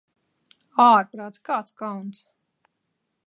Ārprāts, kāds kauns!